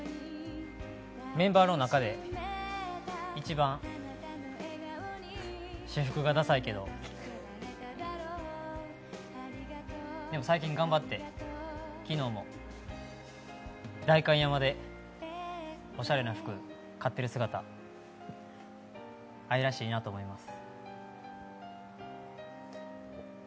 メンバーの中で一番、私服がダサいけどでも最近頑張って昨日も代官山でおしゃれな服を買っている姿、愛らしいなと思います。